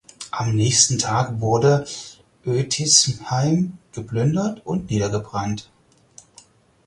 Am nächsten Tag wurde Ötisheim geplündert und niedergebrannt.